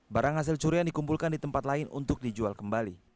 barang hasil curian dikumpulkan di tempat lain untuk dijual kembali